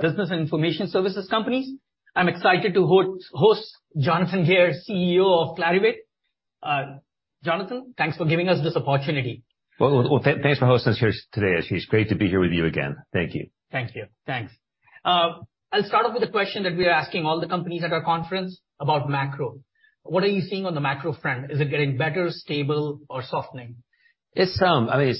Business and Information Services companies. I'm excited to host Jonathan Gear, CEO of Clarivate. Jonathan, thanks for giving us this opportunity. Well, well, thanks for hosting us here today, Ashish. Great to be here with you again. Thank you. Thank you. Thanks. I'll start off with a question that we are asking all the companies at our conference about macro. What are you seeing on the macro front? Is it getting better, stable, or softening? It's, I mean,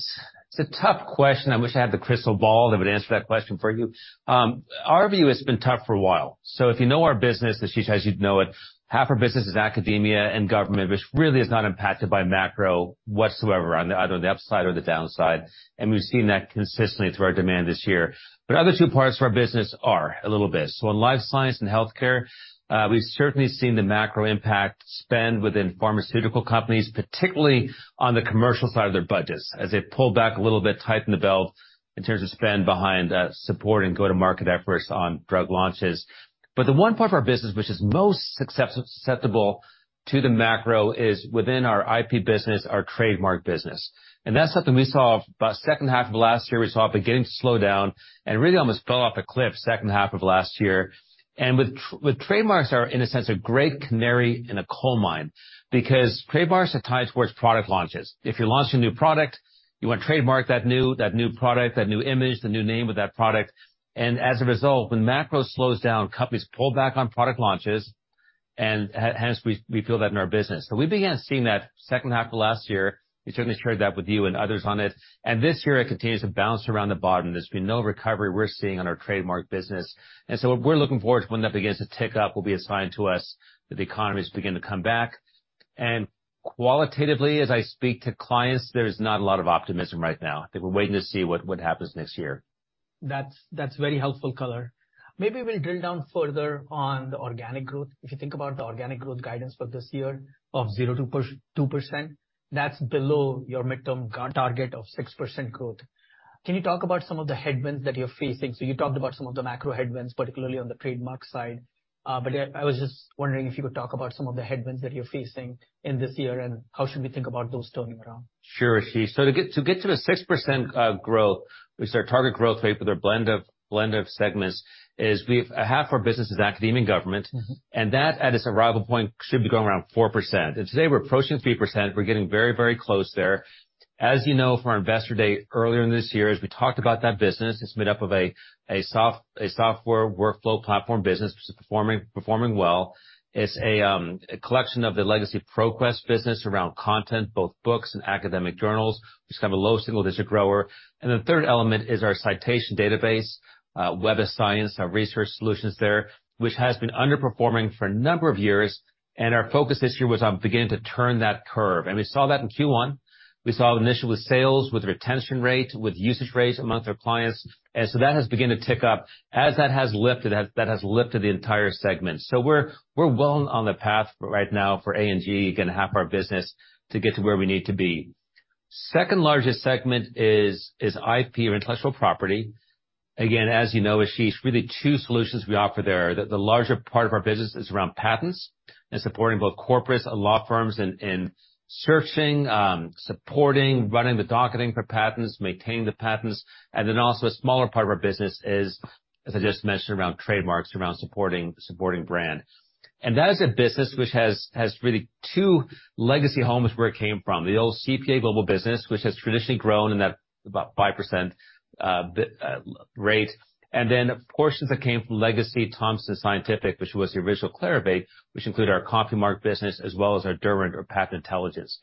it's a tough question. I wish I had the crystal ball that would answer that question for you. Our view has been tough for a while, so if you know our business, Ashish, as you'd know it, half our business is academia and government, which really is not impacted by macro whatsoever on either the upside or the downside, and we've seen that consistently through our demand this year. But the other two parts of our business are a little bit. So in life science and healthcare, we've certainly seen the macro impact spend within pharmaceutical companies, particularly on the commercial side of their budgets, as they pull back a little bit, tighten the belt in terms of spend behind support and go-to-market efforts on drug launches. But the one part of our business which is most susceptible to the macro is within our IP business, our trademark business. And that's something we saw by second half of last year, we saw it beginning to slow down and really almost fell off a cliff second half of last year. And with trademarks are, in a sense, a great canary in a coal mine, because trademarks are tied towards product launches. If you're launching a new product, you want to trademark that new, that new product, that new image, the new name of that product, and as a result, when macro slows down, companies pull back on product launches, and hence we, we feel that in our business. So we began seeing that second half of last year. We certainly shared that with you and others on it, and this year it continues to bounce around the bottom. There's been no recovery we're seeing on our trademark business. And so what we're looking forward to, when that begins to tick up, will be a sign to us that the economy is beginning to come back. And qualitatively, as I speak to clients, there is not a lot of optimism right now. They were waiting to see what happens next year. That's very helpful color. Maybe we'll drill down further on the organic growth. If you think about the organic growth guidance for this year of 0%-2%, that's below your midterm target of 6% growth. Can you talk about some of the headwinds that you're facing? So you talked about some of the macro headwinds, particularly on the trademark side. But I was just wondering if you could talk about some of the headwinds that you're facing in this year, and how should we think about those turning around? Sure, Ashish. So to get to the 6% growth, which is our target growth rate with our blend of segments, is we've half our business is academia and government. Mm-hmm. That, at its arrival point, should be growing around 4%, and today we're approaching 3%. We're getting very, very close there. As you know, from our investor day earlier in this year, as we talked about that business, it's made up of a software workflow platform business, which is performing well. It's a collection of the legacy ProQuest business around content, both books and academic journals, which is kind of a low single-digit grower. The third element is our citation database, Web of Science, our research solutions there, which has been underperforming for a number of years, and our focus this year was on beginning to turn that curve. We saw that in Q1. We saw initially with sales, with retention rates, with usage rates amongst our clients, and so that has begun to tick up. As that has lifted, that has lifted the entire segment. So we're, we're well on the path right now for A&G, again, half our business, to get to where we need to be. Second largest segment is, is IP or intellectual property. Again, as you know, Ashish, really two solutions we offer there. The, the larger part of our business is around patents and supporting both corporates and law firms in, in searching, supporting, running the docketing for patents, maintaining the patents, and then also a smaller part of our business is, as I just mentioned, around trademarks, around supporting, supporting brand. That is a business which has really two legacy homes where it came from, the old CPA Global business, which has traditionally grown in that about 5% rate, and then portions that came from legacy Thomson Scientific, which was the original Clarivate, which include our CompuMark business as well as our Derwent or patent intelligence.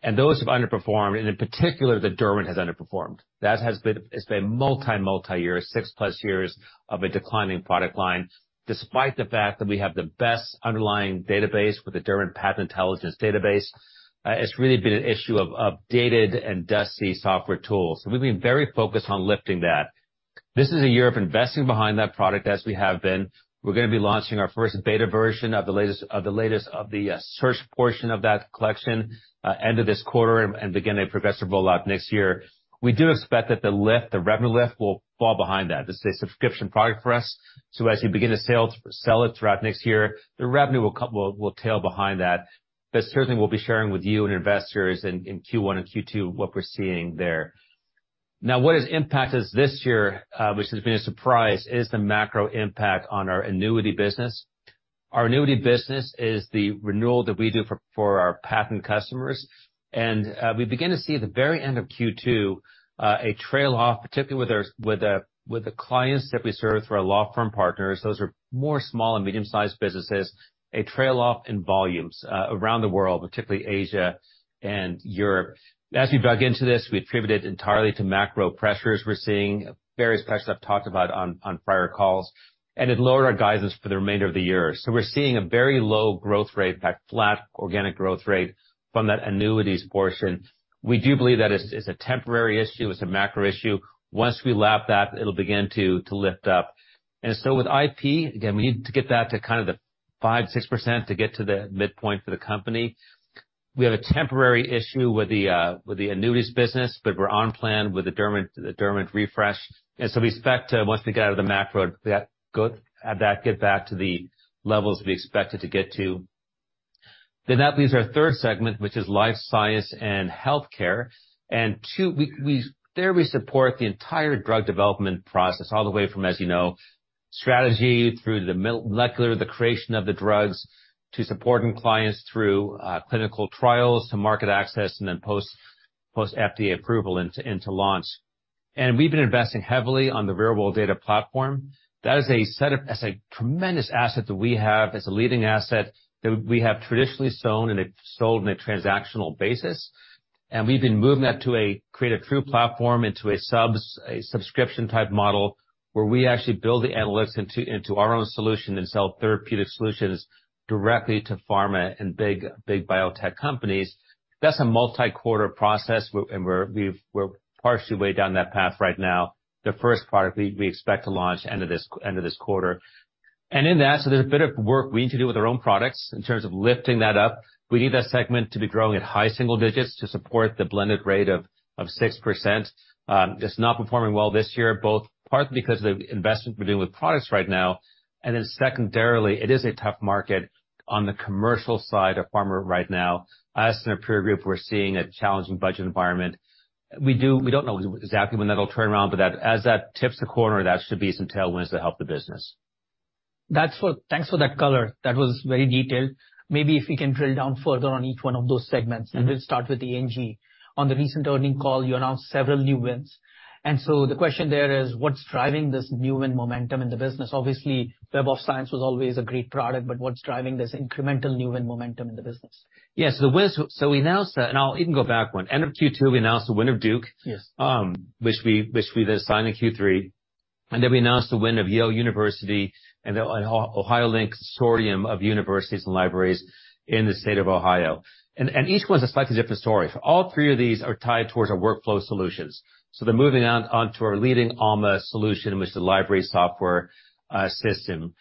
And those have underperformed, and in particular, the Derwent has underperformed. That has been, it's been multi-year, 6years+ of a declining product line, despite the fact that we have the best underlying database with the Derwent Patent Intelligence database. It's really been an issue of dated and dusty software tools, so we've been very focused on lifting that. This is a year of investing behind that product, as we have been. We're gonna be launching our first beta version of the latest search portion of that collection end of this quarter and beginning progressive rollout next year. We do expect that the lift, the revenue lift, will fall behind that. This is a subscription product for us, so as we begin to sell it throughout next year, the revenue will tail behind that. But certainly, we'll be sharing with you and investors in Q1 and Q2 what we're seeing there. Now, what has impacted us this year, which has been a surprise, is the macro impact on our annuity business. Our annuity business is the renewal that we do for, for our patent customers, and we begin to see at the very end of Q2 a trail off, particularly with the clients that we serve through our law firm partners. Those are more small and medium-sized businesses, a trail off in volumes around the world, particularly Asia and Europe. As we dug into this, we attributed it entirely to macro pressures we're seeing, various pressures I've talked about on prior calls, and it lowered our guidance for the remainder of the year. So we're seeing a very low growth rate, in fact, flat, organic growth rate from that annuities portion. We do believe that it's a temporary issue, it's a macro issue. Once we lap that, it'll begin to lift up. And so with IP, again, we need to get that to kind of the 5%-6% to get to the midpoint for the company. We have a temporary issue with the annuities business, but we're on plan with the Derwent refresh. And so we expect, once we get out of the macro, that get back to the levels we expected to get to. Then that leaves our third segment, which is life science and healthcare. And too, we support the entire drug development process, all the way from, as you know, strategy through the molecular, the creation of the drugs, to supporting clients through clinical trials, to market access and then post FDA approval into launch. And we've been investing heavily on the real-world data platform. That is a set of, that's a tremendous asset that we have. It's a leading asset that we have traditionally shown and it's sold on a transactional basis. And we've been moving that to create a true platform into a subscription-type model, where we actually build the analytics into our own solution and sell therapeutic solutions directly to pharma and big biotech companies. That's a multi-quarter process, and we're partially way down that path right now. The first product we expect to launch end of this quarter. And so there's a bit of work we need to do with our own products in terms of lifting that up. We need that segment to be growing at high single digits to support the blended rate of 6%. It's not performing well this year, both partly because of the investment we're doing with products right now, and then secondarily, it is a tough market on the commercial side of pharma right now. Us and our peer group, we're seeing a challenging budget environment. We don't know exactly when that'll turn around, but that, as that tips the corner, that should be some tailwinds that help the business. Thanks for that color. That was very detailed. Maybe if we can drill down further on each one of those segments, and we'll start with the A&G. On the recent earnings call, you announced several new wins, and so the question there is, what's driving this new win momentum in the business? Obviously, Web of Science was always a great product, but what's driving this incremental new win momentum in the business? Yes. The wins, so we announced that, and I'll even go back one. End of Q2, we announced the win of Duke, which we, which we then signed in Q3, and then we announced the win of Yale University and the OhioLINK Consortium of Universities and Libraries in the state of Ohio. And, and each one is a slightly different story. So all three of these are tied towards our workflow solutions. So they're moving on, onto our leading Alma solution, which is the library software system.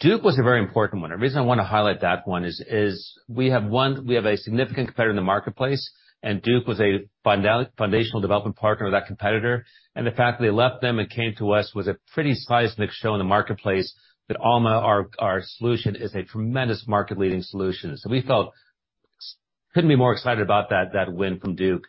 Duke was a very important one. The reason I want to highlight that one is we have one, we have a significant competitor in the marketplace, and Duke was a foundational development partner of that competitor, and the fact that they left them and came to us was a pretty seismic show in the marketplace that Alma, our, our solution, is a tremendous market-leading solution. So we felt, couldn't be more excited about that, that win from Duke.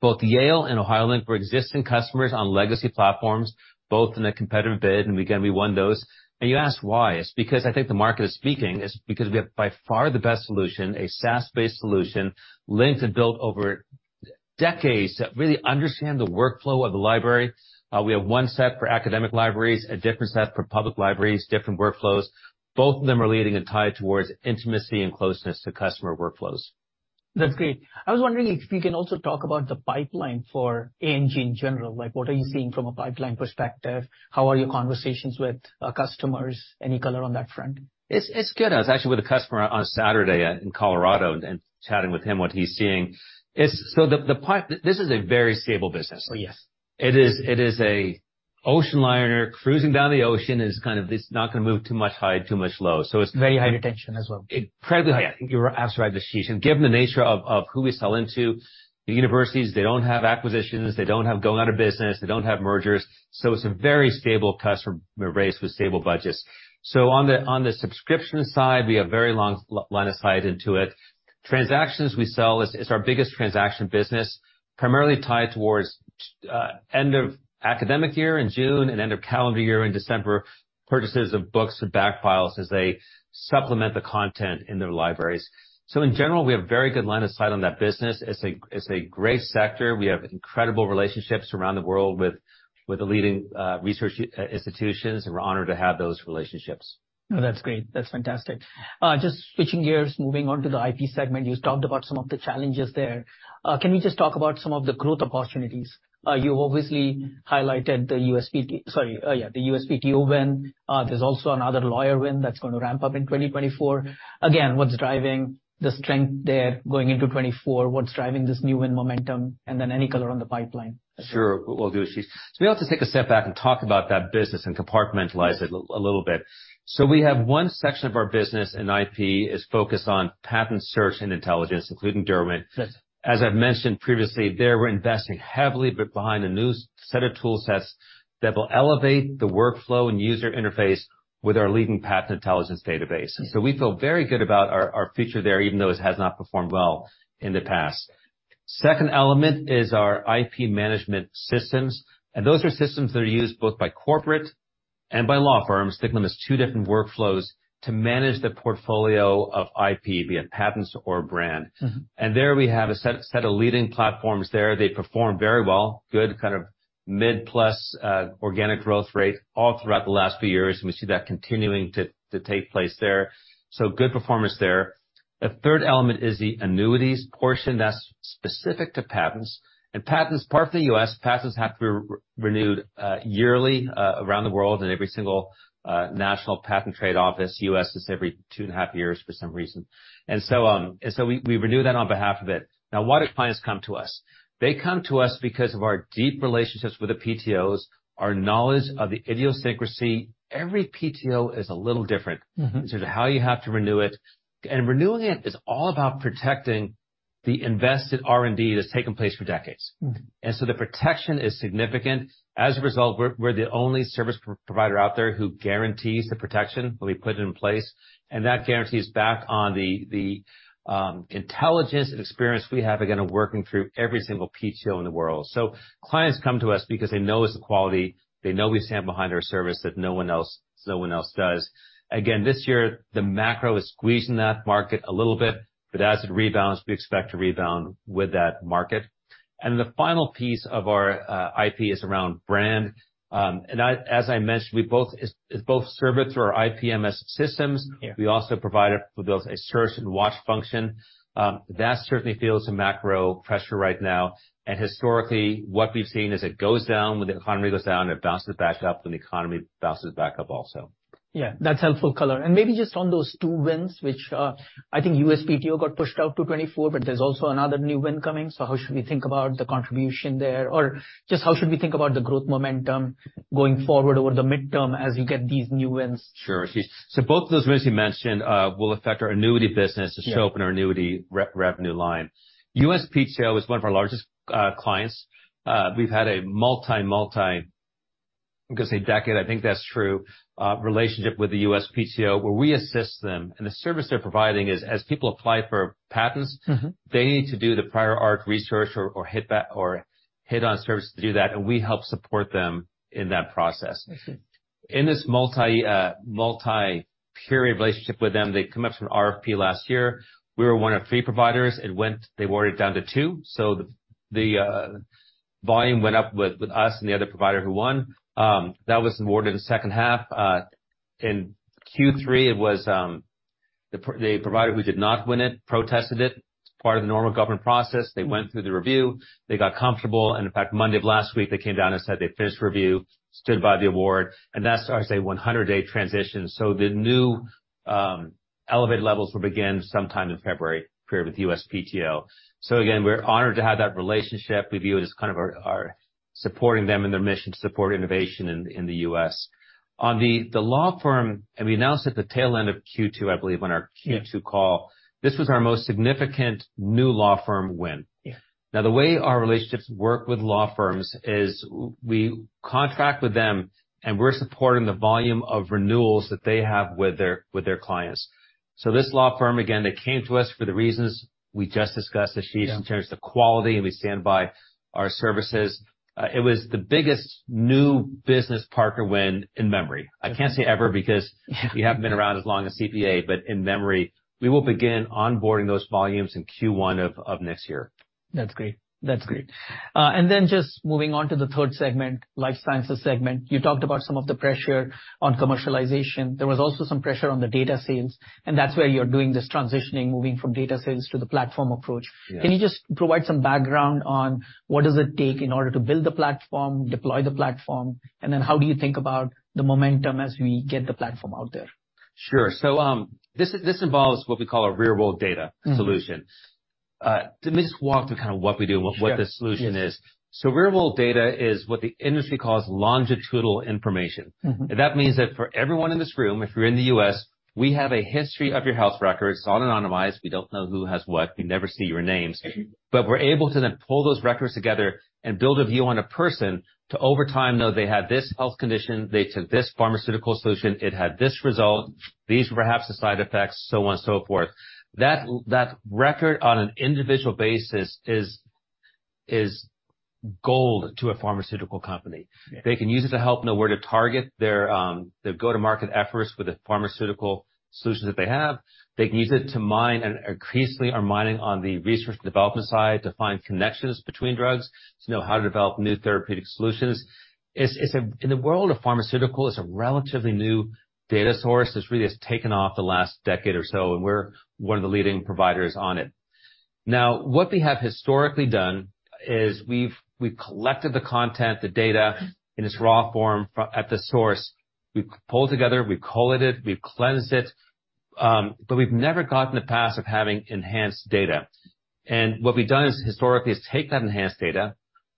Both Yale and OhioLINK were existing customers on legacy platforms, both in a competitive bid, and again, we won those. And you asked why. It's because I think the market is speaking. It's because we have, by far, the best solution, a SaaS-based solution, linked and built over decades, that really understand the workflow of the library. We have one set for academic libraries, a different set for public libraries, different workflows. Both of them are leading and tied towards intimacy and closeness to customer workflows. That's great. I was wondering if you can also talk about the pipeline for A&G in general? Like, what are you seeing from a pipeline perspective? How are your conversations with customers? Any color on that front? It's, it's good. I was actually with a customer on Saturday out in Colorado and chatting with him what he's seeing. It's—So the, the pipe—this is a very stable business. Oh, yes. It is, it is an ocean liner cruising down the ocean. It's kind of, it's not gonna move too much high, too much low. So it's- Very high retention as well. Incredibly high. You are absolutely right, Ashish. Given the nature of who we sell into, the universities, they don't have acquisitions, they don't have going out of business, they don't have mergers, so it's a very stable customer base with stable budgets. So on the subscription side, we have very long line of sight into it. Transactions we sell is our biggest transaction business, primarily tied towards end of academic year in June and end of calendar year in December, purchases of books and back files as they supplement the content in their libraries. So in general, we have very good line of sight on that business. It's a great sector. We have incredible relationships around the world with the leading research institutions, and we're honored to have those relationships. No, that's great. That's fantastic. Just switching gears, moving on to the IP segment, you talked about some of the challenges there. Can you just talk about some of the growth opportunities? You obviously highlighted the USPTO win. There's also another lawyer win that's going to ramp up in 2024. Again, what's driving the strength there going into 2024? What's driving this new win momentum, and then any color on the pipeline? Sure, will do, Ashish. So we have to take a step back and talk about that business and compartmentalize it a little bit. So we have one section of our business in IP is focused on patent search and intelligence, including Derwent. Yes. As I've mentioned previously, we're investing heavily behind a new set of tool sets that will elevate the workflow and user interface with our leading patent intelligence database. So we feel very good about our future there, even though it has not performed well in the past. Second element is our IP management systems, and those are systems that are used both by corporate and by law firms. Think of them as two different workflows to manage the portfolio of IP, be it patents or brand. Mm-hmm. And there, we have a set of leading platforms there. They perform very well, good, kind of mid-plus organic growth rate all throughout the last few years, and we see that continuing to take place there. So good performance there. The third element is the annuities portion that's specific to patents. And patents, part of the U.S., patents have to be renewed yearly around the world in every single national Patent and Trademark Office. U.S. is every 2.5 years for some reason. And so we renew that on behalf of it. Now, why do clients come to us? They come to us because of our deep relationships with the PTOs, our knowledge of the idiosyncrasy. Every PTO is a little different in terms of how you have to renew it. And renewing it is all about protecting the invested R&D that's taken place for decades. Mm-hmm. So the protection is significant. As a result, we're the only service provider out there who guarantees the protection that we put in place, and that guarantee is back on the intelligence and experience we have, again, of working through every single PTO in the world. So clients come to us because they know it's the quality, they know we stand behind our service that no one else does. Again, this year, the macro is squeezing that market a little bit, but as it rebounds, we expect to rebound with that market. And the final piece of our IP is around brand. As I mentioned, it's both service or IPMS systems. Yeah. We also provide, we build a search and watch function. That certainly feels the macro pressure right now. And historically, what we've seen is it goes down when the economy goes down, it bounces back up when the economy bounces back up also. Yeah, that's helpful color. And maybe just on those two wins, which, I think USPTO got pushed out to 2024, but there's also another new win coming. So how should we think about the contribution there? Or just how should we think about the growth momentum going forward over the midterm as you get these new wins? Sure. So both of those wins you mentioned will affect our annuity business, the scope and our annuity revenue line. USPTO is one of our largest clients. We've had a multi, multi, I'm gonna say decade, I think that's true, relationship with the USPTO, where we assist them, and the service they're providing is, as people apply for patents, they need to do the prior art research or hit back or hit on services to do that, and we help support them in that process. I see. In this multi-period relationship with them, they come up from an RFP last year. We were one of three providers. It went—They awarded it down to two, so the volume went up with us and the other provider who won. That was awarded in the second half. In Q3, it was the provider who did not win it, protested it, part of the normal government process. They went through the review, they got comfortable, and in fact, Monday of last week, they came down and said they finished review, stood by the award, and that's, I would say, 100-day transition. So the new elevated levels will begin sometime in February, period, with USPTO. So again, we're honored to have that relationship. We view it as kind of our supporting them in their mission to support innovation in the U.S. On the law firm, and we announced at the tail end of Q2, I believe, on our Q2 call, this was our most significant new law firm win. Yeah. Now, the way our relationships work with law firms is we contract with them, and we're supporting the volume of renewals that they have with their clients. So this law firm, again, they came to us for the reasons we just discussed, Ashish, in terms of the quality, and we stand by our services. It was the biggest new business partner win in memory. I can't say ever, because we haven't been around as long as CPA, but in memory. We will begin onboarding those volumes in Q1 of next year. That's great. That's great. And then just moving on to the third segment, life sciences segment. You talked about some of the pressure on commercialization. There was also some pressure on the data sales, and that's where you're doing this transitioning, moving from data sales to the platform approach. Yeah. Can you just provide some background on what does it take in order to build the platform, deploy the platform, and then how do you think about the momentum as we get the platform out there? Sure. So, this involves what we call a Real-world data solution. Mm-hmm. Let me just walk through kind of what we do and what this solution is. Yes. Real-world data is what the industry calls longitudinal information. Mm-hmm. That means that for everyone in this room, if you're in the U.S., we have a history of your health records. It's all anonymized. We don't know who has what. We never see your names. Mm-hmm. But we're able to then pull those records together and build a view on a person to, over time, know they had this health condition, they took this pharmaceutical solution, it had this result, these were perhaps the side effects, so on and so forth. That record on an individual basis is gold to a pharmaceutical company. Yeah. They can use it to help know where to target their, their go-to-market efforts with the pharmaceutical solutions that they have. They can use it to mine, and increasingly are mining on the research and development side, to find connections between drugs, to know how to develop new therapeutic solutions. In the world of pharmaceutical, it's a relatively new data source that really has taken off the last decade or so, and we're one of the leading providers on it. Now, what we have historically done is we've collected the content, the data, in its raw form from at the source. We've pulled together, we've collated it, we've cleansed it, but we've never gotten the path of having enhanced data. What we've done is, historically, take that enhanced data,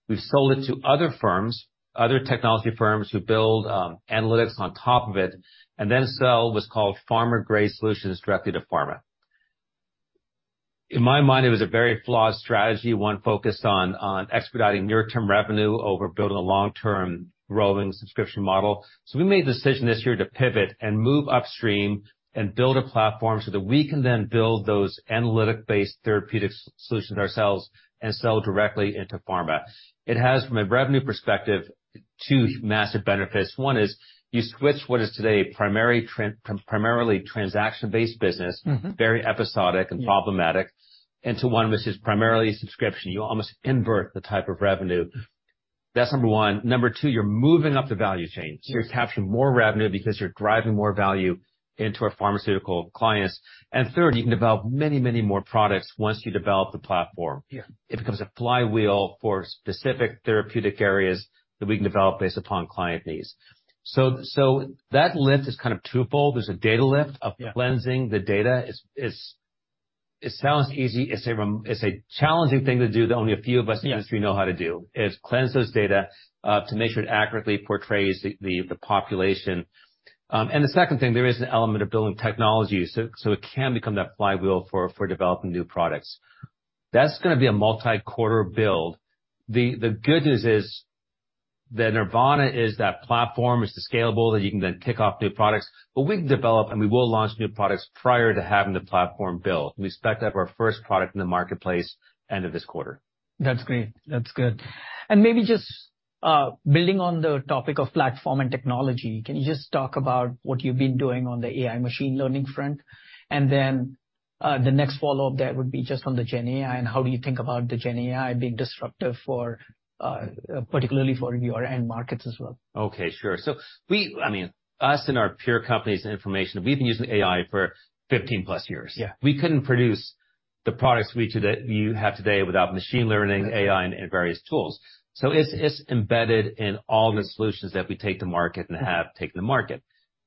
we've sold it to other firms, other technology firms who build analytics on top of it, and then sell what's called pharma-grade solutions directly to pharma. In my mind, it was a very flawed strategy, one focused on expediting near-term revenue over building a long-term growing subscription model. So we made the decision this year to pivot and move upstream and build a platform so that we can then build those analytic-based therapeutic solutions ourselves and sell directly into pharma. It has, from a revenue perspective, two massive benefits. One is, you switch what is today, primarily transaction-based business, very episodic and problematic, into one which is primarily a subscription. You almost invert the type of revenue. That's number one. Number two, you're moving up the value chain. Yeah. So you're capturing more revenue because you're driving more value into our pharmaceutical clients. And third, you can develop many, many more products once you develop the platform. Yeah. It becomes a flywheel for specific therapeutic areas that we can develop based upon client needs. So, that lift is kind of twofold. There's a data lift of cleansing the data. It sounds easy. It's a challenging thing to do that only a few of us in the industry know how to do. Yeah. It's to cleanse those data to make sure it accurately portrays the population. And the second thing, there is an element of building technology, so it can become that flywheel for developing new products. That's gonna be a multi-quarter build. The good news is that Nirvana is that platform, it's the scalable, that you can then kick off new products, but we've developed and we will launch new products prior to having the platform built. We expect to have our first product in the marketplace end of this quarter. That's great. That's good. And maybe just, building on the topic of platform and technology, can you just talk about what you've been doing on the AI machine learning front? And then, the next follow-up of that would be just on the GenAI, and how do you think about the GenAI being disruptive for, particularly for your end markets as well? Okay, sure. So we, I mean, us and our peer companies in information, we've been using AI for 15 years+. Yeah. We couldn't produce the products we do that you have today without machine learning, AI, and various tools. So it's embedded in all the solutions that we take to market and have taken to market.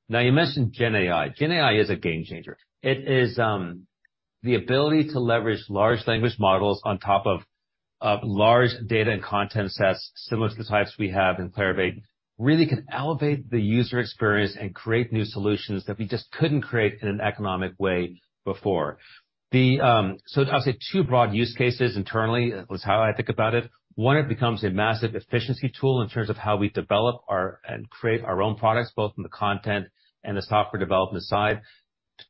Now, you mentioned GenAI. GenAI is a game changer. It is the ability to leverage large language models on top of large data and content sets, similar to the types we have in Clarivate, really can elevate the user experience and create new solutions that we just couldn't create in an economic way before. So I'll say two broad use cases internally is how I think about it. One, it becomes a massive efficiency tool in terms of how we develop our and create our own products, both from the content and the software development side.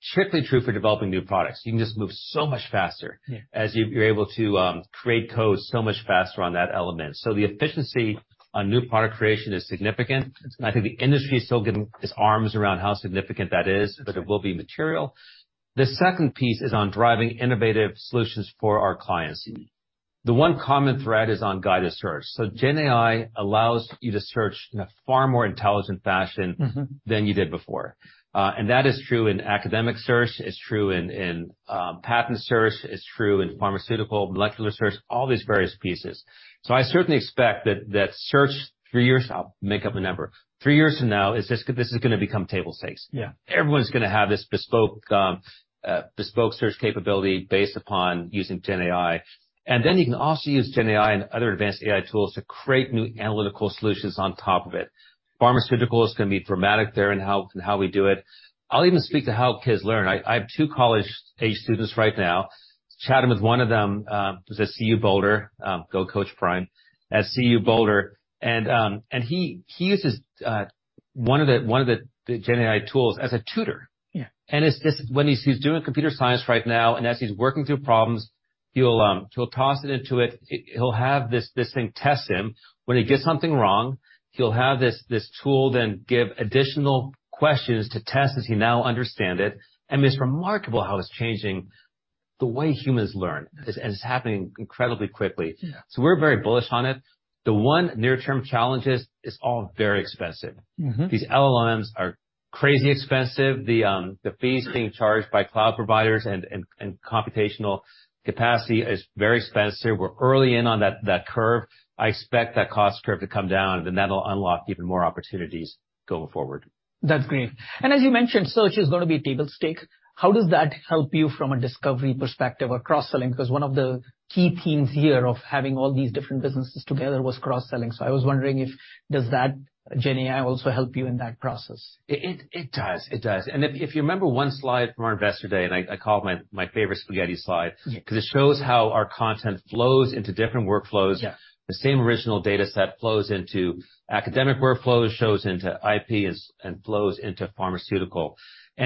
Strictly true for developing new products. You can just move so much faster. Yeah. As you, you're able to create code so much faster on that element. So the efficiency on new product creation is significant. It's good. I think the industry is still getting its arms around how significant that is, but it will be material. The second piece is on driving innovative solutions for our clients. The one common thread is on guided search. So GenAI allows you to search in a far more intelligent fashion than you did before. And that is true in academic search, it's true in patent search, it's true in pharmaceutical, molecular search, all these various pieces. So I certainly expect that search, three years... I'll make up a number. Three years from now, this is gonna become table stakes. Yeah. Everyone's gonna have this bespoke, bespoke search capability based upon using GenAI. And then, you can also use GenAI and other advanced AI tools to create new analytical solutions on top of it. Pharmaceutical is gonna be dramatic there in how we do it. I'll even speak to how kids learn. I have two college-age students right now. Chatting with one of them, who's at CU Boulder, go Coach Prime, at CU Boulder, and he uses one of the GenAI tools as a tutor. Yeah. And it's just—when he's doing computer science right now, and as he's working through problems, he'll toss it into it. He'll have this thing test him. When he gets something wrong, he'll have this tool then give additional questions to test does he now understand it, and it's remarkable how it's changing the way humans learn. Yes. It's happening incredibly quickly. Yeah. So we're very bullish on it. The one near-term challenge is, it's all very expensive. Mm-hmm. These LLMs are crazy expensive. The fees being charged by cloud providers and computational capacity is very expensive. We're early in on that curve. I expect that cost curve to come down, and then that'll unlock even more opportunities going forward. That's great. And as you mentioned, search is gonna be a table stakes. How does that help you from a discovery perspective or cross-selling? Because one of the key themes here of having all these different businesses together was cross-selling. So I was wondering if, does that GenAI also help you in that process? It does. And if you remember one slide from our Investor Day, and I call it my favorite spaghetti slide because it shows how our content flows into different workflows. Yeah. The same original dataset flows into academic workflows, shows into IP, and flows into pharmaceutical. So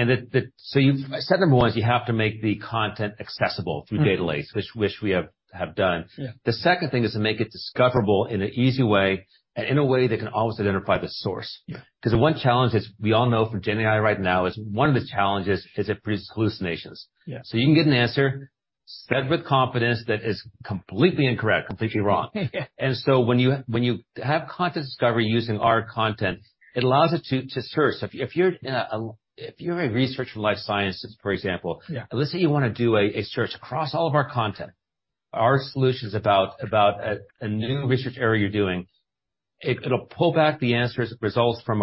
step number one is you have to make the content accessible through data lakes, which we have done. Yeah. The second thing is to make it discoverable in an easy way, and in a way that can always identify the source. Yeah. 'Cause the one challenge is, we all know from GenAI right now, is one of the challenges is it produces hallucinations. Yeah. You can get an answer, said with confidence, that is completely incorrect, completely wrong. Yeah. So when you have content discovery using our content, it allows it to search. If you're a researcher in life sciences, for example let's say you wanna do a search across all of our content, our solutions about a new research area you're doing. It'll pull back the answers, results from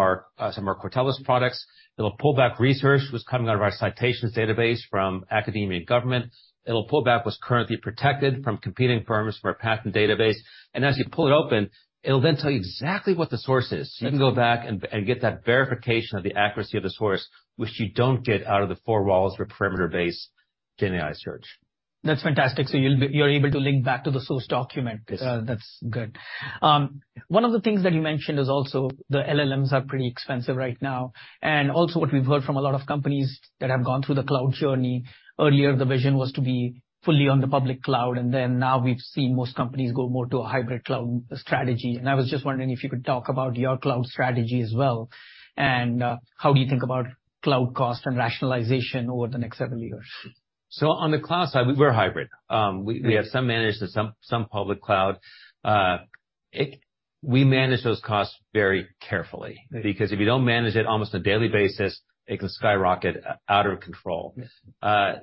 some of our Cortellis products. It'll pull back research that's coming out of our citations database from academia and government. It'll pull back what's currently protected from competing firms from our patent database. And as you pull it open, it'll then tell you exactly what the source is. Yeah. So you can go back and get that verification of the accuracy of the source, which you don't get out of the four walls or perimeter-based GenAI search. That's fantastic. So you're able to link back to the source document. Yes. That's good. One of the things that you mentioned is also the LLMs are pretty expensive right now, and also what we've heard from a lot of companies that have gone through the cloud journey, earlier, the vision was to be fully on the public cloud, and then, now we've seen most companies go more to a hybrid cloud strategy. I was just wondering if you could talk about your cloud strategy as well, and, how do you think about cloud cost and rationalization over the next several years? So on the cloud side, we're hybrid. We have some managed and some public cloud. We manage those costs very carefully, because if you don't manage it almost on a daily basis, it can skyrocket out of control. Yes.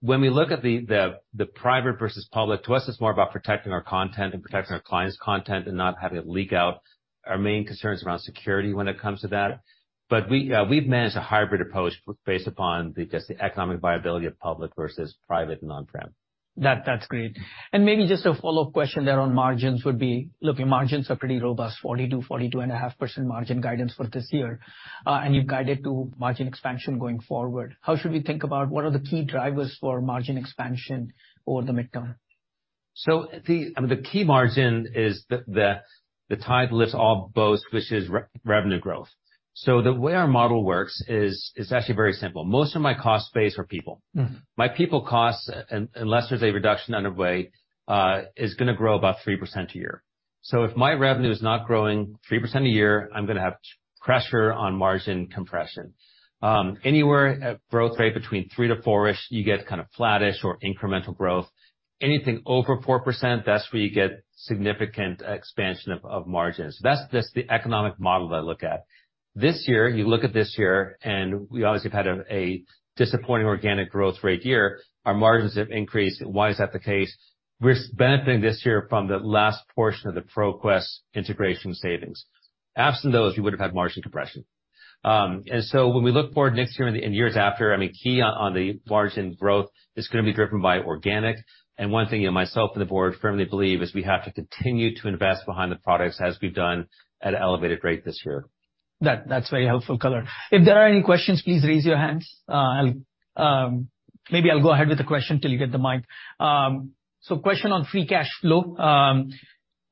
When we look at the private versus public, to us, it's more about protecting our content and protecting our clients' content and not having it leak out. Our main concern is around security when it comes to that. But we, we've managed a hybrid approach based upon just the economic viability of public versus private and on-prem. That, that's great. And maybe just a follow-up question there on margins would be: Look, your margins are pretty robust, 42%, 42.5% margin guidance for this year. And you've guided to margin expansion going forward. How should we think about what are the key drivers for margin expansion over the midterm? So, I mean, the key margin is the tide lifts all boats, which is revenue growth. So the way our model works is actually very simple. Most of my cost base are people. Mm-hmm. My people costs, unless there's a reduction underway, is gonna grow about 3% a year. So if my revenue is not growing 3% a year, I'm gonna have pressure on margin compression. Anywhere at growth rate between 3%-4%-ish, you get kind of flattish or incremental growth. Anything over 4%, that's where you get significant expansion of margins. That's just the economic model that I look at. This year, you look at this year, and we obviously have had a disappointing organic growth rate year, our margins have increased. Why is that the case? We're benefiting this year from the last portion of the ProQuest integration savings. Absent those, we would've had margin compression. And so when we look forward next year and the years after, I mean, key on the margin growth is gonna be driven by organic. One thing, you know, myself and the board firmly believe, is we have to continue to invest behind the products as we've done at an elevated rate this year. That's very helpful color. If there are any questions, please raise your hands. I'll, maybe I'll go ahead with the question till you get the mic. So question on free cash flow.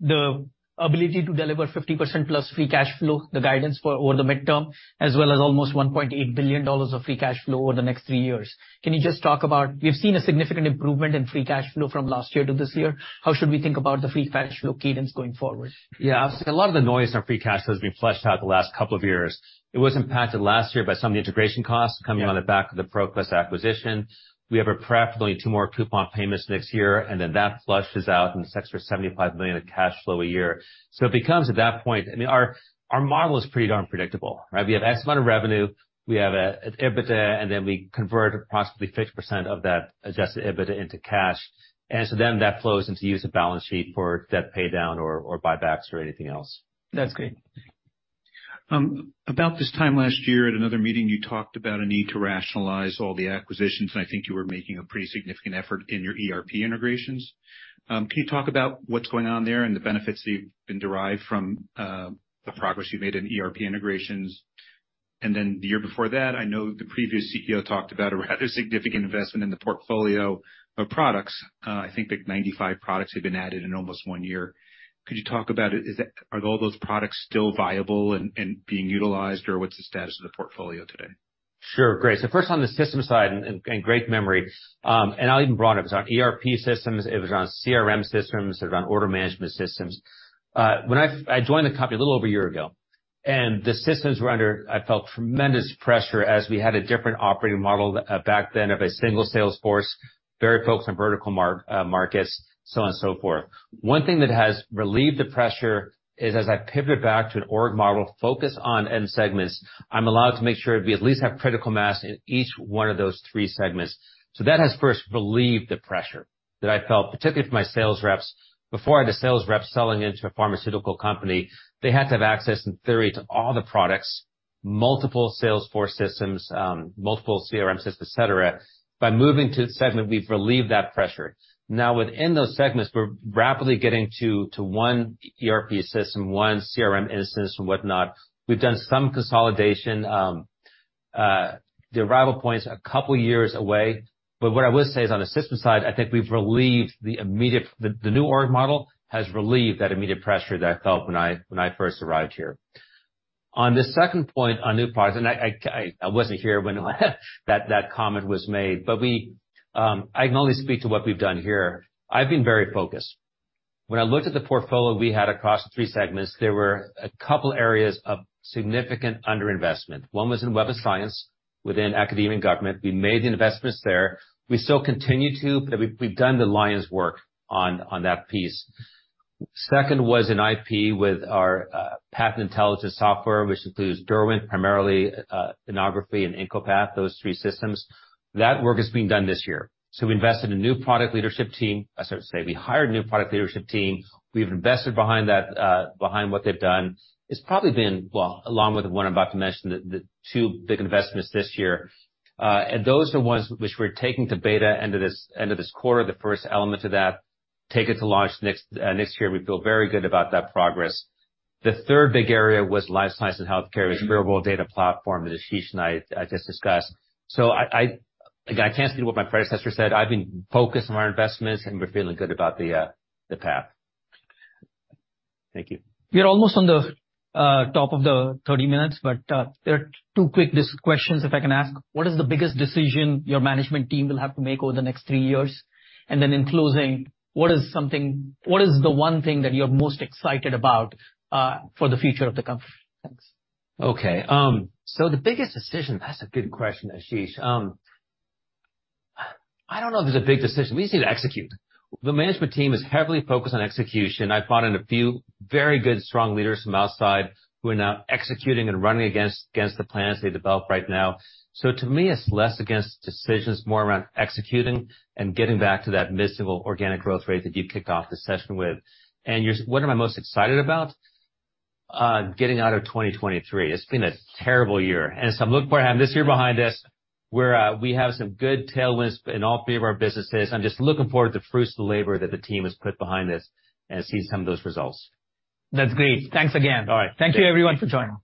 The ability to deliver 50% plus free cash flow, the guidance for over the midterm, as well as almost $1.8 billion of free cash flow over the next three years. Can you just talk about—we've seen a significant improvement in free cash flow from last year to this year. How should we think about the free cash flow cadence going forward? Yeah. A lot of the noise on free cash flow has been flushed out the last couple of years. It was impacted last year by some of the integration costs coming on the back of the ProQuest acquisition. We have approximately two more coupon payments next year, and then that flushes out, and it's an extra $75 million of cash flow a year. So it becomes, at that point, I mean, our, our model is pretty darn predictable, right? We have X amount of revenue, we have a EBITDA, and then we convert approximately 50% of that adjusted EBITDA into cash. And so then that flows into use of balance sheet for debt paydown or, or buybacks or anything else. That's great. About this time last year, at another meeting, you talked about a need to rationalize all the acquisitions, and I think you were making a pretty significant effort in your ERP integrations. Can you talk about what's going on there and the benefits that you've been derived from the progress you made in ERP integrations? And then the year before that, I know the previous CEO talked about a rather significant investment in the portfolio of products. I think like 95 products had been added in almost one year. Could you talk about it? Is that—Are all those products still viable and, and being utilized, or what's the status of the portfolio today? Sure. Great. So first, on the system side, and, and, great memory, and I'll even broaden it. It was on ERP systems, it was on CRM systems, it was on order management systems. When I joined the company a little over a year ago, and the systems were under, I felt, tremendous pressure as we had a different operating model, back then, of a single sales force, very focused on vertical markets, so on and so forth. One thing that has relieved the pressure is, as I pivoted back to an org model focused on end segments, I'm allowed to make sure we at least have critical mass in each one of those three segments. So that has first relieved the pressure that I felt, particularly for my sales reps. Before, I had a sales rep selling into a pharmaceutical company; they had to have access, in theory, to all the products, multiple sales force systems, multiple CRM systems, et cetera. By moving to segment, we've relieved that pressure. Now, within those segments, we're rapidly getting to one ERP system, one CRM instance and whatnot. We've done some consolidation. The arrival point is a couple years away. But what I will say is, on the system side, I think we've relieved the immediate... The new org model has relieved that immediate pressure that I felt when I first arrived here. On the second point, on new products, and I wasn't here when that comment was made, but we—I can only speak to what we've done here. I've been very focused. When I looked at the portfolio we had across the three segments, there were a couple areas of significant underinvestment. One was in Web of Science, within Academia and Government. We made the investments there. We still continue to, but we've done the lion's work on that piece. Second was in IP with our Patent Intelligence software, which includes Derwent, primarily, Innography and IncoPat, those three systems. That work is being done this year. So we invested in a new product leadership team. I should say we hired a new product leadership team. We've invested behind that, behind what they've done. It's probably been, well, along with the one I'm about to mention, the two big investments this year, and those are ones which we're taking to beta, end of this quarter, the first element of that, take it to launch next year. We feel very good about that progress. The third big area was life science and healthcare, which real-world data platform that Ashish and I just discussed. So, again, I can't speak to what my predecessor said. I've been focused on our investments, and we're feeling good about the path. Thank you. We are almost on the top of the 30 minutes, but there are two quick questions, if I can ask. What is the biggest decision your management team will have to make over the next three years? And then in closing, what is the one thing that you're most excited about for the future of the company? Thanks. Okay. So the biggest decision, that's a good question, Ashish. I don't know if there's a big decision. We just need to execute. The management team is heavily focused on execution. I've brought in a few very good, strong leaders from outside who are now executing and running against, against the plans they developed right now. So to me, it's less against decisions, more around executing and getting back to that missing organic growth rate that you kicked off the session with. And you're- what am I most excited about? Getting out of 2023. It's been a terrible year, and so I'm looking forward to having this year behind us, where we have some good tailwinds in all three of our businesses. I'm just looking forward to the fruits of the labor that the team has put behind this and see some of those results. That's great. Thanks again. All right. Thank you, everyone, for joining.